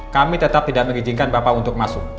kami tetap tidak mengizinkan bapak untuk masuk